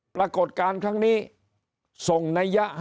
ปรากฏการณ์ครั้งนี้ส่งรัฐมนตรีให้สัญญาณว่า